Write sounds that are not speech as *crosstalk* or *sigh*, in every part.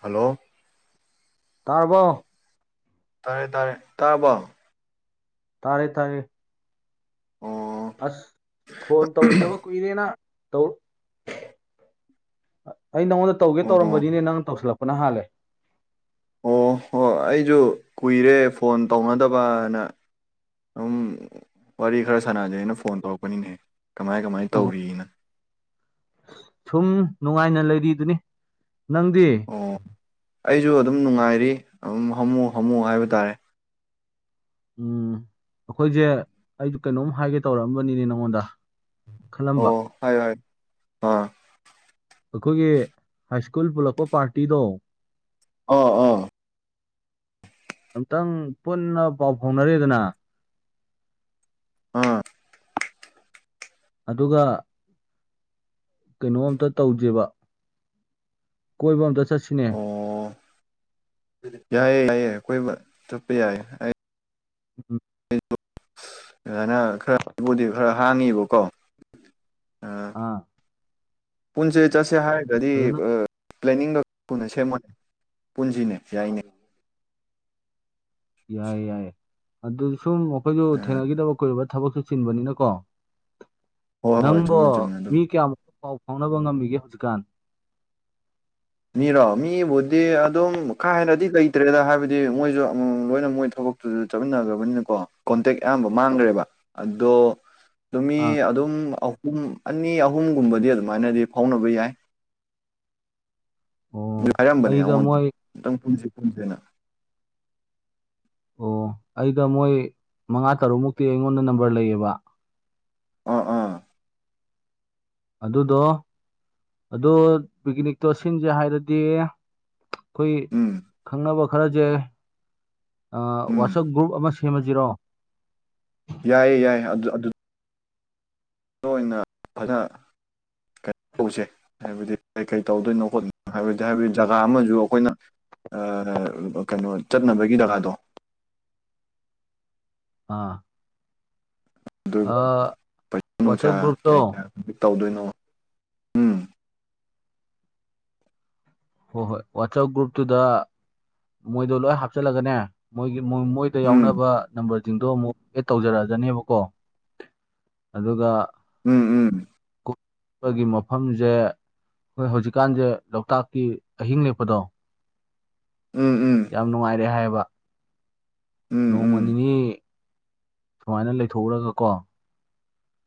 Hello ꯇꯥꯔꯕꯣ ꯇꯥꯏ ꯇꯥꯏ ꯇꯥꯔꯕꯣ ꯇꯥꯔꯦ ꯇꯥꯔꯦ ꯑꯣ ꯑꯁ ꯐꯣꯟ ꯇꯧꯒꯤꯗꯕ ꯀꯨꯏꯔꯦꯅ ꯇꯧ ꯑꯩ ꯅꯉꯣꯟ ꯇꯧꯒꯦ ꯑꯣ ꯇꯧꯔꯝꯕꯅꯤꯅꯦ ꯅꯪ ꯇꯧꯁꯜꯂꯛꯄꯅ ꯍꯥꯜꯂꯦ ꯑꯣ *unintelligible* ꯑꯩꯖꯨ ꯀꯨꯏꯔꯦ ꯐꯣꯟ ꯇꯧꯅꯗꯕꯅ *unintelligible* ꯋꯥꯔꯤ ꯈꯔ ꯁꯥꯟꯅꯖꯦꯅ ꯐꯣꯟ ꯇꯧꯔꯛꯄꯅꯤꯅꯦ ꯀꯃꯥꯏ ꯀꯃꯥꯏ ꯑꯣ ꯇꯧꯔꯤꯅ ꯁꯨꯝ ꯅꯨꯡꯉꯥꯏꯅ ꯂꯩꯔꯤꯗꯨꯅꯤ ꯅꯪꯗꯤ ꯑꯣ ꯑꯩꯖꯨ ꯑꯗꯨꯝ ꯅꯨꯡꯉꯥꯏꯔꯤ ꯑꯗꯨꯝ ꯍꯥꯝꯃꯨ ꯍꯥꯝꯃꯨ ꯍꯥꯏꯕ ꯇꯥꯏ ꯎꯝ ꯑꯩꯈꯣꯏꯖꯦ ꯑꯩꯖꯨ ꯀꯩꯅꯣꯝ ꯍꯥꯏꯒꯦ ꯇꯧꯔꯛꯑꯝꯕꯅꯤꯅꯦ ꯅꯪꯉꯣꯟꯗ ꯈꯜꯂꯝꯕ *unintelligible* ꯑꯥ ꯑꯩꯈꯣꯏꯒꯤ ꯍꯥꯏ ꯁ꯭ꯀꯨꯜ ꯄꯨꯜꯂꯛꯄ ꯄꯥꯔꯇꯤꯗꯣ ꯑꯣ ꯑꯣ ꯑꯝꯇꯪ ꯄꯨꯟꯅ ꯄꯥꯎ ꯐꯥꯎꯅꯔꯤꯗꯅ ꯑꯥ ꯑꯗꯨꯒ ꯀꯩꯅꯣ ꯑꯝꯇꯥ ꯇꯧꯖꯦꯕ ꯀꯣꯏꯕ ꯑꯝꯇꯥ ꯆꯠꯁꯤꯅꯦ ꯑꯣ ꯌꯥꯏꯌꯦ ꯌꯥꯏꯌꯦ ꯀꯣꯏꯕ ꯆꯠꯄ ꯌꯥꯏ ꯑꯩ *unintelligible* *unintelligible* ꯈꯔꯕꯨꯗꯤ ꯈꯔ ꯍꯥꯡꯉꯤꯕꯀꯣ ꯑꯥ ꯄꯨꯟꯖꯦ ꯆꯠꯁꯦ ꯍꯥꯏꯗ꯭ꯔꯗꯤ ꯑꯗꯨꯅ ꯑ ꯄ꯭ꯂꯦꯅꯤꯡꯗꯣ ꯊꯨꯅ ꯁꯦꯝꯃꯣ *inaudible* ꯄꯨꯟꯖꯤꯅꯦ ꯌꯥꯏꯅꯦ ꯌꯥꯏ ꯌꯥꯏ ꯑꯗꯨ ꯁꯨꯝ ꯑꯩꯈꯣꯏꯁꯨ ꯎꯝ ꯊꯦꯡꯅꯈꯤꯗꯕ ꯀꯨꯏꯔꯕ ꯊꯕꯛꯁꯨ ꯆꯤꯟꯕꯅꯤꯅꯀꯣ ꯍꯣꯏ ꯍꯣꯏ ꯅꯪꯕꯣ ꯆꯨꯝꯃꯦ ꯆꯨꯝꯃꯦ ꯃꯤ ꯑꯗꯨꯕꯨ ꯀꯌꯥꯃꯨꯛ ꯄꯥꯎ ꯐꯥꯎꯅꯕ ꯉꯝꯃꯤꯒꯦ ꯍꯧꯖꯤꯛꯀꯥꯟ ꯃꯤꯔꯣ ꯃꯤꯕꯨꯗꯤ ꯑꯗꯨꯝ ꯀꯥ ꯍꯦꯟꯅꯗꯤ ꯂꯩꯇ꯭ꯔꯦꯗ ꯍꯥꯏꯕꯗꯤ ꯃꯣꯏꯁꯨ ꯑꯃꯝ ꯃꯝ ꯂꯣꯏꯅ ꯃꯣꯏ ꯊꯕꯛ ꯑꯗꯨꯨ ꯆꯠꯃꯤꯟꯅꯈ꯭ꯔꯕꯅꯤꯅꯀꯣ ꯀꯣꯟꯇꯦꯛ ꯑꯌꯥꯝꯕ ꯃꯥꯡꯈ꯭ꯔꯦꯕ ꯑꯗꯣ ꯑꯗꯨ ꯃꯤ ꯑꯥ ꯑꯗꯨꯝ ꯑꯍꯨꯝ ꯑꯅꯤ ꯑꯍꯨꯝꯒꯨꯝꯕꯗꯤ ꯑꯗꯨꯃꯥꯏꯅꯗꯤ ꯐꯥꯎꯅꯕ ꯌꯥꯏ ꯑꯣ ꯍꯧꯖꯤꯛ ꯍꯥꯏꯔꯝꯕꯅꯦ ꯑꯩꯗ ꯑꯩꯉꯣꯟꯗ ꯃꯣꯏ ꯑꯃꯨꯛꯇꯪ ꯄꯨꯟꯁꯦ ꯄꯨꯟꯁꯦꯅ ꯑꯩꯒ ꯃꯣꯏ ꯃꯉꯥ ꯇꯔꯨꯛ ꯃꯨꯛꯇꯤ ꯑꯩꯉꯣꯟꯗ ꯅꯝꯕꯔ ꯂꯩꯌꯦꯕ ꯑꯥ ꯑꯥ ꯑꯗꯨꯗꯣ ꯑꯗꯨ ꯄꯤꯛꯅꯤꯛꯇꯣ ꯁꯤꯟꯁꯦ ꯍꯥꯏꯔꯗꯤ ꯑꯩꯈꯣꯏ ꯎꯝ ꯈꯪꯅꯕ ꯈꯔꯁꯦ ꯎꯝ ꯋꯥꯆꯞ ꯒ꯭ꯔꯨꯞ ꯑꯃ ꯁꯦꯝꯃꯁꯤꯔꯣ ꯌꯥꯏꯌꯦ ꯌꯥꯏꯌꯦ ꯑꯗꯨ ꯑꯗꯨ ꯅꯣꯏꯅ ꯐꯅ ꯀꯩꯅꯣ ꯇꯧꯕꯁꯦ ꯍꯥꯏꯕꯗꯤ ꯀꯩꯀꯩ ꯇꯧꯗꯣꯏꯅꯣ ꯈꯣꯠꯇꯣꯏꯅꯣ ꯍꯥꯏꯕꯗꯤ ꯍꯥꯏꯕꯗꯤ ꯖꯒꯥ ꯑꯃꯁꯨ ꯑꯩꯈꯣꯏꯅ ꯀꯩꯅꯣ ꯆꯠꯅꯕꯒꯤ ꯖꯒꯥꯗꯣ ꯑꯥ ꯑꯗꯨꯒ ꯑꯥ ꯄꯩꯁꯥ ꯅꯨꯡꯁꯥ ꯋꯥꯆꯞ ꯒ꯭ꯔꯨꯞꯇꯣ ꯀꯌꯥ ꯀꯌꯥ ꯇꯧꯗꯣꯏꯅꯣ ꯎꯝ ꯍꯣꯏ ꯍꯣꯏ ꯋꯥꯆꯞ ꯒ꯭ꯔꯨꯞꯇꯨꯗ ꯃꯣꯏꯗꯣ ꯂꯣꯏ ꯍꯥꯞꯆꯜꯂꯒꯅꯦ ꯃꯣꯏꯒꯤ ꯃꯣꯏꯗ ꯎꯝ ꯌꯥꯎꯅꯕ ꯅꯝꯕꯔꯁꯤꯡꯗꯣ ꯑꯃꯨꯛ ꯑꯦꯗ ꯇꯧꯖꯔꯛꯑꯖꯅꯤꯕꯀꯣ ꯑꯗꯨꯒ ꯎꯝ ꯎꯝ ꯀꯨꯞꯄꯒꯤ ꯃꯐꯝꯁꯦ ꯍꯣꯏ ꯍꯧꯖꯤꯛꯀꯥꯟꯁꯦ ꯂꯣꯛꯇꯥꯛꯀꯤ ꯑꯍꯤꯡ ꯂꯦꯛꯄꯗꯣ ꯎꯝ ꯎꯝ ꯌꯥꯝ ꯅꯨꯡꯉꯥꯏꯔꯦ ꯍꯥꯏꯕ ꯎꯝ ꯅꯣꯡꯃ ꯎꯝ ꯅꯤꯅꯤ ꯑꯗꯨꯃꯥꯏꯅ ꯂꯩꯊꯣꯛꯎꯔꯒ ꯀꯣ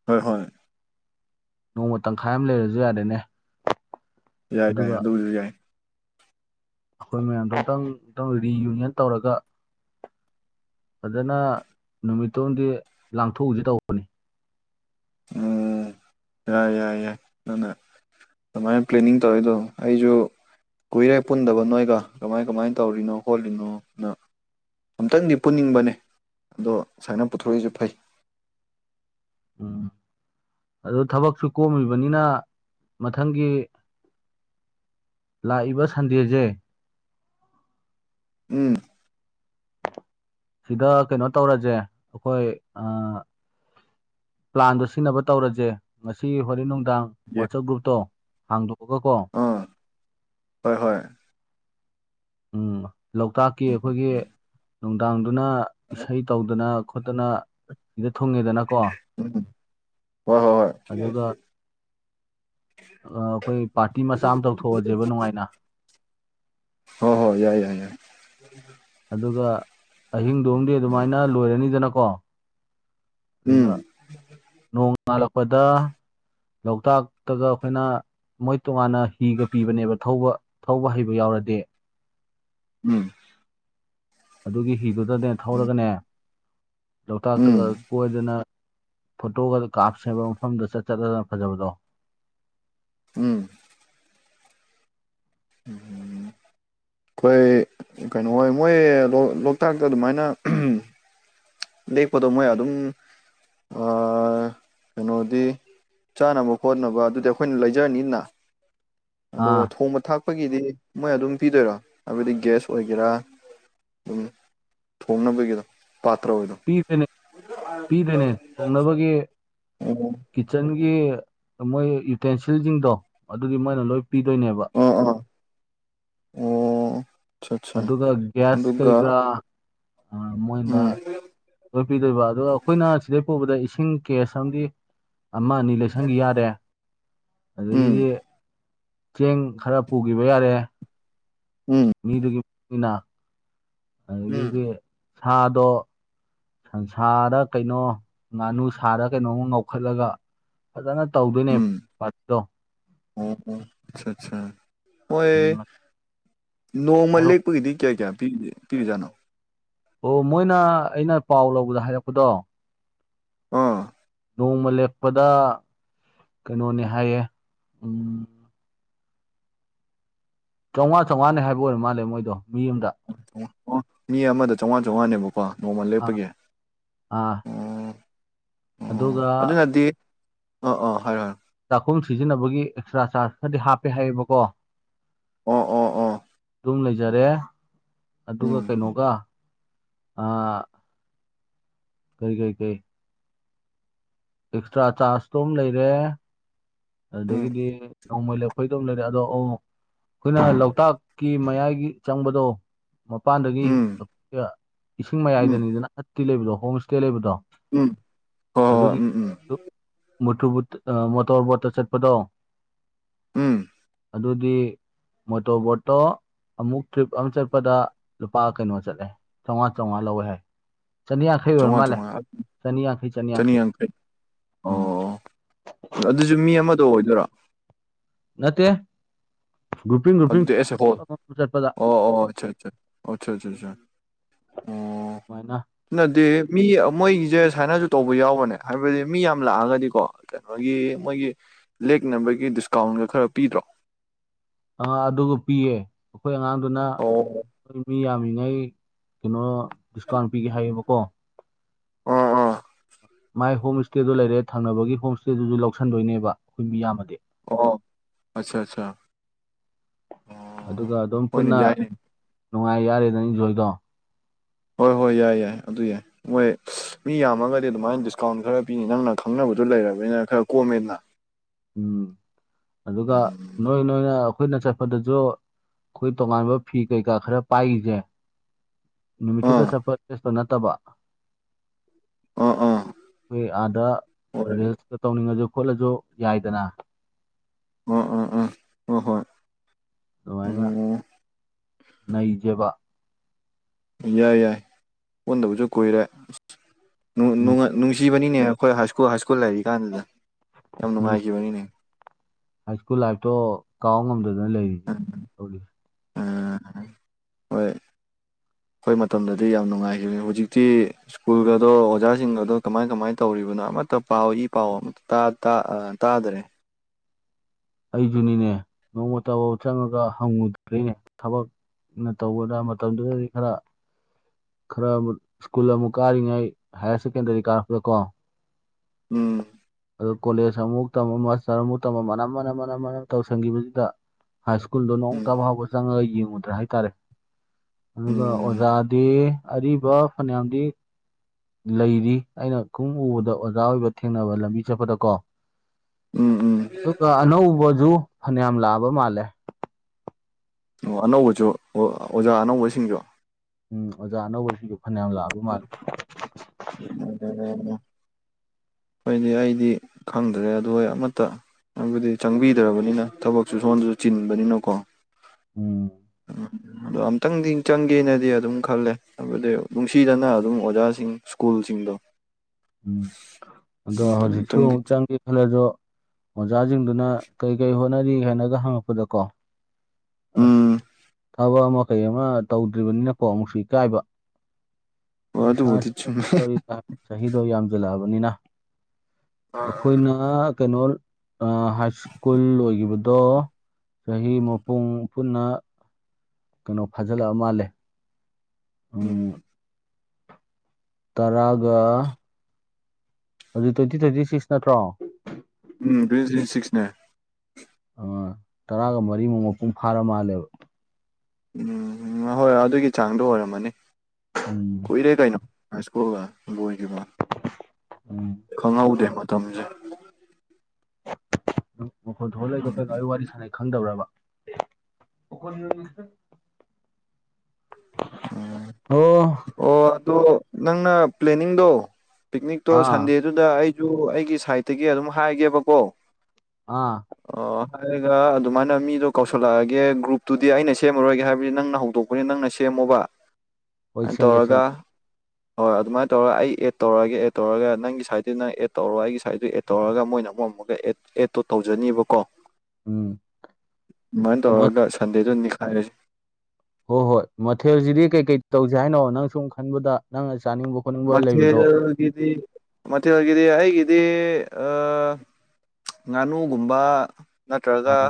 ꯍꯣꯏ ꯍꯣꯏ ꯅꯣꯡꯃ ꯇꯪꯈꯥꯏ ꯑꯃ ꯂꯩꯔꯁꯨ ꯌꯥꯔꯦꯅꯦ ꯌꯥꯏ ꯌꯥꯏ ꯑꯗꯨꯒ ꯑꯗꯨꯒꯤꯁꯨ ꯌꯥꯏ ꯑꯩꯈꯣꯏ ꯃꯌꯥꯝꯗꯣ ꯑꯃꯨꯛꯇꯪ ꯇꯪ ꯔꯤꯌꯨꯅꯤꯌꯟ ꯇꯧꯔꯒ ꯑꯗꯨꯅ ꯅꯨꯃꯤꯠꯇꯨꯝꯗꯤ ꯂꯥꯡꯊꯣꯛꯎꯁꯤ ꯇꯧꯕꯅꯤ ꯎꯝ ꯌꯥꯏ ꯌꯥꯏ ꯌꯥꯏ ꯑꯗꯨꯅ ꯑꯗꯨꯃꯥꯏꯅ ꯄ꯭ꯂꯦꯅꯤꯡ ꯇꯧꯋꯤꯗꯣ ꯑꯩꯁꯨ ꯀꯨꯏꯔꯦ ꯄꯨꯟꯗꯕ ꯅꯣꯏꯒ ꯀꯃꯥꯏ ꯀꯃꯥꯏ ꯇꯧꯔꯤꯅꯣ ꯈꯣꯠꯂꯤꯅꯣ ꯅ ꯑꯝꯇꯪꯗꯤ ꯄꯨꯟꯅꯤꯡꯕꯅꯦ ꯑꯗꯣ ꯁꯥꯏꯅ ꯄꯨꯊꯣꯔꯛꯏꯁꯦ ꯐꯩ ꯑꯗꫭ ꯊꯕꯛꯁꯨ ꯀꯣꯝꯃꯤꯕꯅꯤꯅ ꯃꯊꯪꯒꯤ ꯂꯥꯛꯏꯕ ꯁꯟꯗꯦꯁꯦ ꯎꯝ ꯁꯤꯗ ꯀꯩꯅꯣ ꯇꯧꯔꯁꯦ ꯑꯩꯈꯣꯏ ꯑ ꯄ꯭ꯂꯥꯟꯗꯣ ꯁꯤꯖꯤꯟꯅꯕ ꯇꯧꯔꯁꯦ ꯉꯁꯤ ꯍꯣꯔꯦꯟ ꯅꯨꯡꯗꯥꯡ ꯌꯦ ꯋꯥꯆꯞ ꯒ꯭ꯔꯨꯞꯇꯣ ꯍꯥꯡꯗꯣꯛꯑꯒ ꯀꯣ ꯑꯥ ꯍꯣꯏ ꯍꯣꯏ ꯎꯝ ꯂꯣꯛꯇꯥꯛꯀꯤ ꯑꯩꯈꯣꯏꯒꯤ ꯅꯨꯡꯗꯥꯡꯗꯨꯅ ꯏꯁꯩ ꯇꯧꯗꯅ ꯈꯣꯠꯇꯅ ꯁꯤꯗ ꯊꯨꯡꯉꯦꯗꯅꯀꯣ꯫ ꯍꯣꯏ ꯍꯣꯏ ꯍꯣꯏ ꯑꯥ ꯈꯣꯏ ꯄꯥꯔꯇꯤ ꯃꯆꯥ ꯑꯝ ꯇꯧꯊꯣꯛꯑꯖꯦꯕ ꯅꯨꯡꯉꯥꯏꯅ꯫ ꯍꯣꯏ ꯍꯣꯏ ꯌꯥꯏ ꯌꯥꯏ ꯌꯥꯏ *inaudible* ꯑꯗꯨꯒ ꯑꯍꯤꯡꯗꯣꯝꯗꯤ ꯑꯗꯨꯃꯥꯏꯅ ꯂꯣꯏꯔꯅꯤꯗꯅꯀꯣ ꯎꯝ ꯗꯨꯒ ꯅꯣꯡ ꯉꯥꯜꯂꯛꯄꯗ ꯂꯣꯛꯇꯥꯛꯇꯒ ꯑꯩꯈꯣꯏꯅ ꯃꯣꯏ ꯇꯣꯉꯥꯟꯅ ꯍꯤꯒ ꯄꯤꯕꯅꯦꯕ ꯊꯧꯕ ꯊꯧꯕ ꯍꯩꯕ ꯌꯥꯎꯔꯗꯤ꯫ ꯎꯝ ꯑꯗꯨꯒꯤ ꯍꯤꯗꯨꯗꯅꯦ ꯎꯝ ꯊꯧꯔꯒꯅꯦ ꯎꯝ ꯂꯣꯛꯇꯥꯛꯇꯒ ꯀꯣꯏꯗꯅ꯫ ꯐꯣꯇꯣꯒ ꯀꯥꯞꯁꯦꯕ ꯃꯐꯝꯗꯣ ꯆꯠ ꯆꯠꯂꯒ ꯐꯖꯕꯗꯣ ꯈꯣꯏ ꯀꯩꯅꯣ ꯍꯣꯏ ꯃꯣꯏ ꯂꯣ ꯂꯣꯛꯇꯥꯛꯇ ꯑꯗꯨꯃꯥꯏꯅ ꯂꯦꯛꯄꯗꯣ ꯃꯣꯏ ꯑꯗꯨꯝ ꯑꯥ ꯀꯩꯅꯣꯗꯤ ꯆꯥꯅꯕ ꯈꯣꯠꯅꯕ ꯑꯗꯨꯗꯤ ꯑꯩꯈꯣꯏꯅ ꯂꯩꯖꯔꯅꯤꯅ ꯑꯗꯨꯒ ꯑꯥ ꯊꯣꯡꯕ ꯊꯥꯛ ꯈꯣꯏꯒꯤꯗꯤ ꯃꯣꯏ ꯑꯗꯨꯝ ꯄꯤꯗꯣꯏꯔꯣ ꯍꯥꯏꯕꯗꯤ ꯒ꯭ꯌꯥꯁ ꯑꯣꯏꯒꯦꯔꯥ ꯗꯨꯝ ꯊꯣꯡꯅꯕꯒꯤꯗꯣ꯫ *unintelligible* ꯄꯤꯕꯅꯦ ꯄꯤꯗꯣꯏꯅꯦ ꯊꯣꯡꯅꯕꯒꯤ ꯫ ꯑꯣ ꯀꯤꯠꯆꯟꯒꯤ ꯃꯣꯏ ꯌꯨꯇꯦꯟꯁꯤꯜꯖꯤꯡꯗꯣ ꯑꯗꯨꯗꯤ ꯃꯣꯏꯅ ꯂꯣꯏ ꯄꯤꯗꯣꯏꯅꯦꯕ꯫ ꯑꯥ ꯑꯥ ꯑꯣ ꯑꯆꯥ ꯑꯠꯆꯥ ꯑꯗꯨꯒ ꯒ꯭ꯌꯥꯁ ꯀꯔꯤ ꯑꯗꯨꯒ ꯀꯔꯥ ꯑꯥ ꯃꯣꯏꯅ ꯎꯝ ꯂꯣꯏ ꯄꯤꯗꯣꯏꯕ ꯑꯗꯣ ꯑꯩꯈꯣꯏꯅ ꯁꯤꯗꯩ ꯄꯨꯕꯗ ꯏꯁꯤꯡ ꯀꯦꯁ ꯑꯝꯗꯤ ꯑꯃ ꯑꯅꯤ ꯂꯩꯁꯟꯒꯤ ꯌꯥꯔꯦ ꯎꯝ ꯑꯗꯒꯤꯗꯤ ꯆꯦꯡ ꯈꯔ ꯄꯨꯒꯤꯕ ꯌꯥꯔꯦ ꯎꯝ ꯃꯤꯗꯨꯒꯤ ꯃꯇꯨꯡꯏꯟꯅ ꯎꯝ ꯑꯗꯒꯤꯗꯤ ꯁꯥꯗꯣ ꯁꯟꯁꯥꯔꯥ ꯀꯩꯅꯣ ꯉꯥꯅꯨ ꯁꯥꯔꯥ ꯀꯩꯅꯣꯝꯃ ꯉꯧꯈꯠꯂꯒ ꯐꯖꯅ ꯇꯧꯗꯣꯏꯅꯦ ꯎꯝ ꯄꯥꯔꯠꯇꯣ ꯑꯣ ꯑꯠꯁꯥ ꯑꯠꯁꯥ ꯃꯣꯏ꯫ ꯎꯝ ꯅꯣꯡꯃ ꯍꯥꯏꯔꯣ ꯂꯦꯛꯄꯒꯤꯗꯤ ꯀꯌꯥ ꯀꯌꯥ ꯄꯤꯔꯤ ꯄꯤꯔꯤꯖꯥꯠꯅꯣ ꯑꯣ ꯃꯣꯏꯅ ꯑꯩꯅ ꯄꯥꯎ ꯂꯧꯕꯗ ꯍꯥꯏꯔꯛꯄꯗꯣ ꯑꯥ ꯅꯣꯡꯃ ꯂꯦꯛꯄꯗ ꯀꯩꯅꯣꯅꯦ ꯍꯥꯏꯌꯦ ꯎꯝ ꯆꯧꯉꯥ ꯆꯧꯉꯥꯅꯦ ꯍꯥꯏꯕ ꯑꯣꯏꯔ ꯃꯥꯜꯂꯦ ꯃꯣꯏꯗꯣ ꯃꯤ ꯑꯝꯗ꯫ ꯑꯣ ꯍꯣ ꯃꯤ ꯑꯃꯗ ꯆꯧꯉꯥ ꯆꯧꯉꯥ ꯅꯦꯕꯀꯣ ꯅꯣꯡꯃ ꯑꯥ ꯂꯦꯛꯄꯒꯤ꯫ ꯑꯥ ꯎꯝ ꯑꯗꯨꯒ ꯑꯗꯨꯅꯗꯤ ꯑꯣ ꯑꯣ ꯍꯥꯏꯔꯣ ꯍꯣꯏꯔꯣ ꯆꯥꯛꯈꯨꯝ ꯁꯤꯖꯤꯟꯅꯕꯒꯤ ꯑꯦꯛꯁꯇ꯭ꯔꯥ ꯆꯥꯔꯖ ꯈꯔꯗꯤ ꯍꯥꯞꯄꯦ ꯍꯥꯏꯌꯦꯕꯀꯣ꯫ ꯑꯣ ꯑꯣ ꯑꯣ ꯗꯨꯝ ꯂꯩꯖꯔꯦ ꯑꯗꯨꯒ ꯎꯝ ꯀꯩꯅꯣꯒ ꯑꯥ ꯀꯔꯤ ꯀꯔꯤ ꯀꯩ ꯑꯦꯛꯁꯇ꯭ꯔꯥ ꯆꯥꯔꯖ ꯇꯣ ꯑꯝ ꯂꯩꯔꯦ꯫ ꯎꯝ ꯑꯗꯨꯗꯒꯤꯗꯤ ꯅꯣꯡꯃ ꯂꯦꯛꯄꯩꯗꯣ ꯑꯃ ꯂꯩꯔꯦ ꯑꯗꯣ ꯑꯣ ꯑꯩꯈꯣꯏꯅ ꯂꯣꯛꯇꯥꯛꯀꯤ ꯃꯌꯥꯏꯒꯤ ꯆꯪꯕꯗꯣ ꯃꯄꯥꯟꯗꯒꯤ ꯎꯝ ꯏꯁꯤꯡ ꯎꯝ ꯃꯌꯥꯏꯗꯅꯤꯗꯅ ꯍꯠꯀꯤ ꯂꯩꯕꯗꯣ ꯍꯣꯝ ꯁꯇꯦ ꯂꯩꯕꯗꯣ꯫ ꯎꯝ ꯍꯣꯏ ꯍꯣꯏ ꯎꯝ ꯎꯝ ꯃꯣꯇꯨꯔꯕꯨꯠ ꯃꯣꯇꯣꯔꯕꯣꯠꯇ ꯆꯠꯄꯗꯣ ꯎꯝ ꯑꯗꯨꯗꯤ ꯃꯣꯇꯣꯔꯕꯣꯠꯇꯣ ꯑꯃꯨꯛ ꯇ꯭ꯔꯤꯞ ꯑꯃ ꯆꯠꯄꯗ ꯂꯨꯄꯥ ꯀꯩꯅꯣ ꯆꯠꯂꯦ ꯆꯩꯉꯥ ꯆꯩꯉꯥ ꯂꯧꯋꯦ ꯍꯥꯏ ꯆꯅꯤꯌꯥꯡꯈꯩ ꯑꯣꯏꯔ ꯆꯥꯝꯃꯉꯥ ꯃꯥꯜꯂꯦ ꯆꯥꯝꯃꯉꯥ ꯆꯅꯤꯌꯥꯡꯈꯩ ꯆꯅꯤ ꯆꯅꯤꯌꯥꯡꯈꯩ ꯌꯥꯡꯈꯩ ꯎꯝ ꯑꯗꯨꯖꯨ ꯃꯤ ꯑꯃꯗ ꯑꯣꯏꯗꯣꯏꯔꯣ ꯅꯠꯇꯦ ꯒ꯭ꯔꯨꯞꯄꯤꯡ ꯒ꯭ꯔꯨꯞꯄꯤꯡ ꯑꯗꯨꯗꯤ ꯑꯦꯁꯦ ꯍꯣꯜ ꯑꯃꯃꯝ ꯆꯠꯄꯗ *unintelligible* ꯑꯣ ꯑꯣ ꯑꯆꯥ ꯑꯆꯥ ꯑꯆꯥ ꯑꯆꯥ ꯃꯥꯏꯅ *unintelligible* ꯅꯠꯇꯦꯍꯦ ꯃꯤ ꯃꯣꯏꯒꯤꯁꯦ ꯁꯥꯏꯅꯁꯨ ꯇꯧꯕ ꯌꯥꯎꯕꯅꯦ ꯍꯥꯏꯕꯗꯤ ꯃꯤ ꯌꯥꯝ ꯂꯥꯛꯑꯒꯗꯤꯀꯣ ꯀꯩꯅꯣꯒꯤ ꯃꯣꯏꯒꯤ ꯂꯦꯛꯅꯕꯒꯤ ꯗꯤꯁꯀꯥꯎꯟꯒ ꯈꯔ ꯄꯤꯗ꯭ꯔꯣ ꯑꯥ ꯑꯗꯨꯒ ꯄꯤꯌꯦ ꯑꯩꯈꯣꯏ ꯑꯉꯥꯡꯗꯨꯅ ꯑꯣ ꯃꯤ ꯌꯥꯝꯃꯤꯉꯩ ꯀꯩꯅꯣ ꯗꯤꯁꯀꯥꯎꯟ ꯄꯤꯒꯦ ꯍꯥꯏꯌꯦꯕꯀꯣ ꯑꯥ ꯑꯥ ꯃꯥꯏ ꯍꯣꯝ ꯏꯁꯇꯦꯗꯣ ꯂꯩꯔꯦ ꯊꯪꯅꯕꯒꯤ ꯍꯣꯝ ꯏꯁꯇꯦꯗꯨꯁꯨ ꯂꯧꯁꯟꯗꯣꯏꯅꯦꯕ ꯑꯩꯈꯣꯏ *unintelligible* ꯃꯤ ꯌꯥꯝꯃꯗꯤ ꯑꯣ ꯑꯆꯥ ꯑꯆꯥ ꯑꯗꯨꯒ ꯑꯗꯨꯝ ꯍꯣꯏꯅꯦ ꯄꯨꯟꯅ ꯌꯥꯏꯅꯦ ꯅꯨꯡꯉꯥꯏ ꯌꯥꯔꯦꯗꯅ ꯏꯟꯖꯣꯏꯗꯣ ꯍꯣꯏ ꯍꯣꯏ ꯌꯥꯏ ꯌꯥꯏ ꯑꯗꯨ ꯌꯥꯏ ꯍꯣꯏ *unintelligible* ꯃꯤ ꯌꯥꯝꯃꯒꯗꯤ ꯑꯗꯨꯃꯥꯏꯅ ꯗꯤꯁꯀꯥꯎꯟ ꯈꯔ ꯄꯤꯅꯤ ꯅꯪꯅ ꯈꯪꯅꯕꯗꯨ ꯂꯩꯔꯕꯅꯤꯅ ꯈꯔ ꯀꯣꯝꯃꯦꯗꯅ ꯎꯝ ꯑꯗꯨꯒ ꯅꯣꯏ ꯅꯣꯏꯅ ꯑꯩꯈꯣꯏꯅ ꯆꯠꯄꯗꯁꯨ ꯑꯩꯈꯣꯏ ꯇꯣꯉꯥꯟꯕ ꯐꯤ ꯀꯩꯀꯥ ꯈꯔ ꯄꯥꯏꯒꯤꯖꯦ ꯅꯨꯃꯤꯠꯇꯨꯗ ꯑꯥ ꯆꯠꯄ ꯗ꯭ꯔꯦꯁꯇꯣ ꯅꯠꯇꯕ ꯑ ꯑ ꯑꯩꯈꯣꯏ ꯑꯥꯗ ꯔꯤꯜꯁꯀ ꯇꯧꯅꯤꯡꯉꯁꯨ ꯈꯣꯠꯂꯁꯨ ꯌꯥꯏꯗꯅ ꯑ ꯑ ꯑ ꯍꯣꯏ ꯍꯣꯏ ꯑꯗꯨꯃꯥꯏꯅ ꯑꯣ ꯅꯩꯖꯦꯕ ꯌꯥꯏ ꯌꯥꯏ ꯄꯨꯟꯗꯕꯁꯨ ꯀꯨꯏꯔꯦ ꯅꯨꯡ ꯎꯝ ꯅꯨꯡ ꯅꯨꯡꯁꯤꯕꯅꯤꯅꯦ ꯑꯩꯈꯣꯏ ꯍꯥꯏ ꯁ꯭ꯀꯨꯜ ꯍꯥꯏ ꯁ꯭ꯀꯨꯜ ꯂꯩꯔꯤ ꯀꯥꯟꯗꯨꯗ ꯌꯥꯝ ꯑꯁ ꯅꯨꯡꯉꯥꯏꯈꯤꯕꯅꯤꯅꯦ ꯍꯥꯏ ꯁ꯭ꯀꯨꯜ ꯂꯥꯏꯐꯇꯣ ꯀꯥꯎꯕ ꯉꯝꯗꯗꯅ ꯂꯩꯔꯤ ꯎꯝ ꯍꯣꯏ ꯑꯩꯈꯣꯏ ꯃꯇꯝꯗꯗꯤ ꯌꯥꯝ ꯅꯨꯡꯉꯥꯏꯈꯤꯕꯅꯤ ꯍꯧꯖꯤꯛꯇꯤ ꯁ꯭ꯀꯨꯜꯒꯗꯣ ꯑꯣꯖꯥꯁꯤꯡꯒꯗꯣ ꯀꯃꯥꯏ ꯀꯃꯥꯏꯅ ꯇꯧꯔꯤꯕꯅꯣ ꯑꯃꯠꯇ ꯄꯥꯎ ꯏ ꯏ ꯄꯥꯎ ꯑꯃꯠꯇ ꯇꯥ ꯇꯥ ꯇꯥꯗꯔꯦ ꯑꯩꯁꯨꯅꯤꯅꯦ ꯅꯣꯡꯃꯇꯕꯧ ꯆꯪꯉꯒ ꯍꯪꯉꯨꯗ꯭ꯔꯦꯅꯦ ꯊꯕꯛ ꯅꯪꯅ *unintelligible* ꯇꯧꯕꯗ ꯃꯇꯝꯗꯨꯗꯗꯤ ꯈꯔ ꯈꯔꯛ *unintelligible* ꯁ꯭ꯀꯨꯜ ꯑꯃꯨꯛ ꯀꯥꯔꯤꯉꯩ ꯍꯥꯏꯔ ꯁꯦꯀꯦꯟꯗꯔꯤ ꯀꯥꯔꯛꯄꯗ ꯀꯣ ꯎꯝ ꯑꯣ *unintelligible* ꯀꯣꯂꯦꯖ ꯑꯃꯨꯛ ꯇꯝꯃ ꯃꯥꯁꯇꯔ ꯑꯃꯨꯛ ꯇꯝ ꯃꯅꯝ ꯃꯅꯝ ꯃꯅꯝ ꯃꯅꯝ ꯇꯧꯁꯟꯈꯤꯕꯁꯤꯗ ꯍꯥꯏ ꯁ꯭ꯀꯨꯜꯗꯣ ꯅꯣꯡꯇ ꯎꯝ ꯐꯥꯎꯕ ꯆꯪꯉꯒ ꯌꯦꯡꯉꯨꯗ꯭ꯔꯦ ꯍꯥꯏꯇꯥꯔꯦ ꯑꯗꯨꯒ ꯎꯝ ꯑꯣꯖꯥ ꯗꯤ ꯑꯔꯤꯕ ꯐꯅꯌꯥꯝꯗꯤ ꯂꯩꯔꯤ ꯑꯩꯅ ꯈꯨꯡ *unintelligible* ꯎꯕꯗ ꯑꯣꯖꯥ ꯑꯣꯏꯕ ꯊꯦꯡꯅꯕ ꯂꯝꯕꯤ ꯆꯠꯄꯗ ꯀꯣ ꯎꯝ ꯎꯝ ꯑꯗꯨꯒ ꯑꯅꯧꯕꯖꯨ ꯐꯅꯌꯥꯝ ꯂꯥꯛꯑꯕ ꯃꯥꯜꯂꯦ ꯑꯣ ꯑꯅꯧꯕꯁꯨ ꯑꯣꯖꯥ ꯑꯅꯧꯕꯁꯤꯡꯖꯨ ꯎꯝ ꯑꯣꯖꯥ ꯑꯅꯧꯕ ꯁꯤꯡꯖꯨ ꯐꯅꯌꯥꯝ ꯂꯥꯛꯑꯕ ꯃꯥꯜꯂꯦ ꯑꯗꯨ *unintelligible* ꯍꯣꯏꯅꯦ *unintelligible* ꯑꯩꯗꯤ ꯈꯪꯗ꯭ꯔꯦ ꯑꯗꯨ ꯑꯩ ꯑꯃꯠꯇ ꯑꯗꯨꯗꯤ *unintelligible* ꯆꯪꯕꯤꯗ꯭ꯔꯕꯅꯤꯅ ꯊꯕꯛꯁꯨ ꯁꯣꯝꯗꯁꯨ ꯆꯤꯟꯕꯅꯤꯅꯀꯣ ꯎꯝ ꯑꯗꯣ ꯑꯝꯇꯪꯗꯤ ꯆꯪꯒꯦꯅꯗꯤ ꯑꯗꯨꯝ ꯈꯜꯂꯦ ꯍꯥꯏꯕꯗꯤ ꯅꯨꯡꯁꯤꯗꯅꯥ ꯑꯗꯨꯝ ꯑꯣꯖꯥꯁꯤꯡ ꯀꯨꯜꯁꯤꯡꯗꯣ ꯎꯝ ꯑꯗꯣ ꯍꯧꯖꯤꯛꯁꯨ ꯑꯃꯨꯛꯇꯪꯗꯤ ꯑꯃꯨꯛ ꯆꯪꯒꯦ ꯈꯂꯖꯨ ꯑꯣꯖꯥꯁꯤꯡꯗꯨꯅ ꯀꯩ ꯀꯩ ꯍꯣꯠꯅꯔꯤ ꯍꯥꯏꯅꯒ ꯍꯪꯉꯛꯄꯗꯀꯣ ꯑꯁ ꯎꯝ ꯊꯕꯛ ꯑꯃ ꯀꯩ ꯑꯃ ꯇꯧꯗ꯭ꯔꯤꯕꯅꯤꯅꯀꯣ ꯑꯃꯨꯛꯁꯨ ꯏꯀꯥꯏꯕ ꯍꯣꯏ ꯑꯗꯨꯕꯨꯗꯤ ꯆꯨꯝꯃꯦ *unintelligible* ꯆꯍꯤꯗꯣ ꯌꯥꯝꯖꯜꯂꯛꯑꯕꯅꯤꯅ ꯑꯩꯈꯣꯏꯅ ꯑꯥ ꯀꯩꯅꯣ ꯑ ꯍꯥꯏꯁꯀꯨꯜ ꯂꯣꯏꯒꯤꯕꯗꯣ ꯆꯍꯤꯃꯨꯛ ꯄꯨꯡ ꯄꯨꯟꯅ ꯀꯩꯅꯣ ꯐꯥꯖꯤꯜꯂꯛꯑ ꯃꯥꯜꯂꯦ ꯎꯝ ꯇꯔꯥꯒ ꯍꯧꯖꯤꯛ ꯇ꯭ꯋꯦꯟꯇꯤ ꯇ꯭ꯋꯦꯟꯇꯤ ꯁꯤꯛꯁ ꯅꯠꯇ꯭ꯔꯣ ꯎꯝ ꯇ꯭ꯋꯦꯟꯇꯤ ꯇ꯭ꯋꯦꯟꯇꯤ ꯁꯤꯛꯁꯅꯦ ꯑꯣ ꯇꯔꯥꯒ ꯃꯔꯤꯃꯨꯛ ꯃꯄꯨꯡ ꯐꯥꯔ ꯃꯥꯜꯂꯦꯕ ꯎꯝ ꯉꯍꯣꯏ ꯑꯗꯨꯒꯤ ꯆꯥꯡꯗꯣ ꯑꯣꯏꯔꯝꯃꯅꯤ ꯎꯝ ꯀꯨꯏꯔꯦ ꯀꯩꯅꯣ ꯍꯥꯏ ꯁ꯭ꯀꯨꯜꯒ ꯂꯣꯏꯒꯤꯕ ꯎꯝ ꯈꯪꯍꯧꯗꯦ ꯃꯇꯝꯁꯦ ꯃꯈꯣꯜ ꯊꯣꯛꯍꯜꯂꯛꯏꯗꯣ ꯀꯩꯅꯣ ꯑꯩ ꯋꯥꯔꯤ ꯁꯥꯟꯅꯩ ꯈꯪꯗꯕ꯭ꯔꯕ *unintelligible* ꯑꯣ ꯑꯣ ꯑꯗꯣ ꯅꯪꯅ ꯄ꯭ꯂꯦꯅꯤꯡꯗꯣ ꯄꯤꯛꯅꯤꯛꯇꯣ ꯑꯥ ꯁꯟꯗꯦ ꯗꯨꯗ ꯑꯩꯖꯨ ꯑꯩꯒꯤ ꯁꯥꯏꯠꯇꯒꯤ ꯑꯗꯨꯝ ꯍꯥꯏꯒꯦꯕꯀꯣ ꯑꯥ ꯑꯣ ꯍꯥꯏꯔꯒ ꯑꯗꯨꯃꯥꯏꯅ ꯃꯤꯗꯣ ꯀꯧꯁꯜꯂꯛꯑꯒꯦ ꯒ꯭ꯔꯨꯞꯇꯨꯗꯤ ꯑꯩꯅ ꯁꯦꯝꯃꯔꯣꯏꯒꯦ ꯍꯥꯏꯕꯗꯤ ꯅꯪꯅ ꯍꯧꯗꯣꯛ ꯄꯅꯤ ꯅꯪꯅ ꯁꯦꯝꯃꯨꯕ ꯍꯣꯏ ꯑꯗꯨ ꯁꯦꯝꯒꯦ ꯇꯧꯔꯒ ꯁꯦꯝꯒꯦ ꯍꯣꯏ ꯑꯗꯨꯃꯥꯏ ꯇꯧꯔꯒ ꯑꯩ ꯑꯦꯗ ꯇꯧꯔꯒꯦ ꯑꯦꯗ ꯇꯧꯔꯒ ꯅꯪꯒꯤ ꯁꯥꯏꯠꯇꯤ ꯅꯪꯅ ꯑꯦꯗ ꯇꯧꯔꯣ ꯑꯩꯒꯤ ꯁꯥꯏꯠꯇꯨ ꯑꯦꯠ ꯇꯧꯔꯒ ꯃꯣꯏꯅ ꯑꯃꯨꯛ ꯑꯃꯨꯛꯀ ꯑꯦꯠ ꯑꯦꯠꯇꯣ ꯇꯧꯖꯅꯤꯕꯀꯣ ꯎꯝ ꯑꯗꯨꯃꯥꯏꯅ ꯃꯠ ꯇꯧꯔꯒ ꯁꯟꯗꯦꯗꯣ ꯅꯤꯛꯈꯥꯏꯔꯁꯤ ꯍꯣꯏ ꯍꯣꯏ ꯃꯊꯦꯜꯁꯤꯗꯤ ꯀꯩꯀꯩ ꯇꯧꯁꯦ ꯍꯥꯏꯅꯣ ꯅꯪ ꯁꯨꯝ ꯈꯟꯕꯗ ꯅꯪꯅ ꯆꯥꯅꯤꯡꯕ ꯈꯣꯠꯅꯤꯡꯕ ꯂꯩꯕꯗꯣ ꯃꯊꯦꯜꯒꯤꯗꯤ ꯃꯊꯦꯜꯒꯤꯗꯤ ꯑꯩꯒꯤꯗꯤ ꯑ ꯉꯥꯅꯨꯒꯨꯝꯕ ꯅꯠꯇ꯭ꯔꯒ ꯑꯥ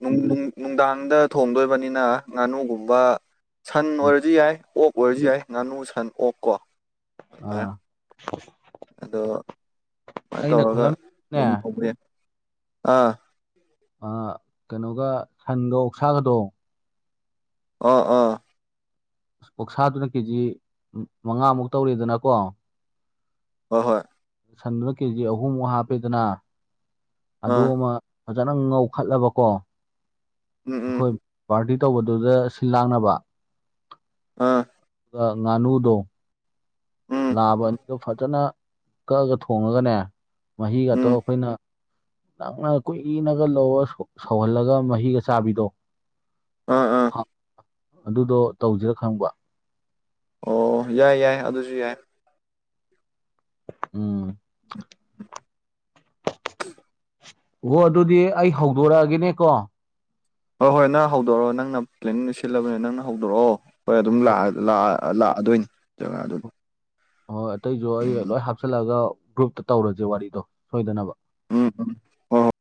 ꯅꯨꯡ ꯅꯨꯡ ꯅꯨꯡꯗꯥꯡꯗ ꯊꯣꯡꯗꯣꯏꯕꯅꯤꯅ ꯉꯥꯅꯨꯒꯨꯝꯕ ꯁꯟ ꯎꯝ ꯑꯣꯏꯔꯁꯨ ꯌꯥꯏ ꯑꯣꯛ ꯑꯣꯏꯔꯁꯨ ꯌꯥꯏ ꯉꯥꯅꯨ ꯁꯟ ꯑꯣꯛ ꯀꯣ ꯑꯗꯨꯃꯥꯏꯅ ꯑꯥ ꯑꯗꯣ ꯁꯨꯃꯥꯏꯅ ꯑꯩꯅ ꯇꯧꯔꯒ ꯈꯜꯂꯝꯃꯤꯅꯦ ꯑꯗꯨꯝ ꯐꯧꯕ ꯌꯥꯏ ꯑꯥ ꯑꯥ ꯀꯩꯅꯣꯒ ꯁꯟꯒ ꯑꯣꯛꯁꯥꯒꯗꯣ ꯑꯥ ꯑꯥ ꯑꯣꯛꯁꯥꯗꯨꯅ ꯀꯦꯖꯤ ꯃꯉꯥꯃꯨꯛ ꯇꯧꯔꯦꯗꯅꯀꯣ ꯍꯣꯏ ꯍꯣꯏ ꯁꯟꯗꯨꯅ ꯀꯦꯖꯤ ꯑꯍꯨꯝꯃꯨꯛ ꯍꯥꯞꯄꯦꯗꯅꯥ ꯑꯥ ꯑꯗꯨꯃ ꯐꯖꯅ ꯉꯧꯈꯠꯂꯕꯀꯣ ꯎꯝ ꯎꯝ ꯈꯣꯏ ꯄꯥꯔꯇꯤ ꯇꯧꯕꯗꯨꯗ ꯁꯤꯜ ꯂꯥꯡꯅꯕ ꯑꯥ ꯑꯥ ꯉꯥꯅꯨꯗꯣ ꯎꯝ ꯂꯥꯕ ꯑꯅꯤꯗꯣ ꯐꯖꯅ ꯀꯛꯑꯒ ꯊꯣꯡꯉꯒꯅꯦ ꯃꯍꯤꯒꯇꯣ ꯎꯝ ꯑꯩꯈꯣꯏꯅ ꯅꯪꯅ ꯀꯨꯏꯅꯒ ꯂꯧꯔ ꯁꯧꯍꯜꯂꯒ ꯃꯍꯤꯒ ꯆꯥꯕꯤꯗꯣ ꯑꯥ ꯑꯥ ꯑꯗꯨꯗꯣ ꯇꯧꯁꯤꯔꯥ ꯈꯪꯕ ꯑꯣ ꯌꯥꯏ ꯌꯥꯏ ꯑꯗꯨꯁꯨ ꯌꯥꯏ ꯎꯝ ꯑꯣ ꯑꯗꯨꯗꯤ ꯑꯩ ꯍꯧꯗꯣꯔꯛꯑꯒꯦꯅꯦꯀꯣ ꯍꯣꯏ ꯍꯣꯏ ꯅꯪ ꯍꯧꯗꯣꯔꯛꯑꯣ ꯅꯪꯅ ꯄ꯭ꯂꯦꯟꯅꯤꯡꯗꯣ ꯁꯤꯜꯂꯕꯅꯤꯅ ꯅꯪꯅ ꯍꯧꯗꯣꯔꯛꯑꯣ ꯍꯣꯏ ꯑꯗꯨꯝ ꯍꯣ ꯂꯥꯛ ꯂꯥꯛ ꯂꯥꯛꯑꯗꯣꯏꯅꯤ ꯖꯒꯥꯗꯨ ꯍꯣꯏ ꯑꯇꯩꯁꯨ ꯑꯩ ꯎꯝ ꯂꯣꯏ ꯍꯥꯞꯆꯤꯜꯂꯒ ꯒ꯭ꯔꯨꯞꯇ ꯇꯧꯔꯁꯦ ꯋꯥꯔꯤꯗꯣ ꯁꯣꯏꯗꯅꯕ ꯎꯝ ꯎꯝ ꯍꯣꯏ